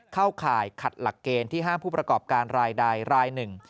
เข้าข่ายขัดหลักเกณฑ์ที่ห้ามผู้ประกอบการรายใดรายหนึ่ง